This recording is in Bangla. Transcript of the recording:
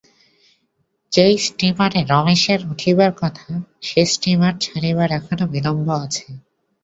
যে স্টীমারে রমেশের উঠিবার কথা সে স্টীমার ছাড়িবার এখনো বিলম্ব আছে।